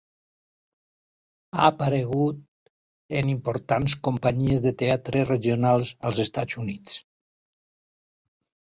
Ha aparegut en importants companyies de teatre regionals als Estats Units.